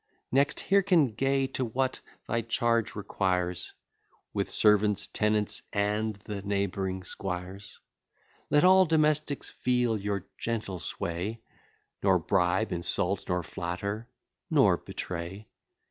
Next hearken, Gay, to what thy charge requires, With servants, tenants, and the neighbouring squires, Let all domestics feel your gentle sway; Nor bribe, insult, nor flatter, nor betray.